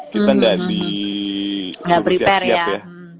kita ga di siap siap ya